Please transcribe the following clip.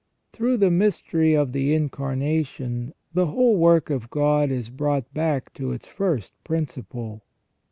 Through the mystery of the Incarnation the whole work of God is brought back to its first principle.